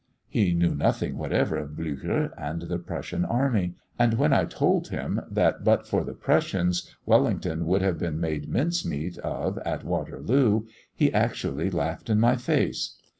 He knew nothing whatever of Blücher and the Prussian army; and when I told him, that but for the Prussians Wellington would have been made minced meat of at Waterloo, he actually laughed in my face.